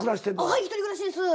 はい１人暮らしです。